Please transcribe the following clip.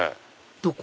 どこ？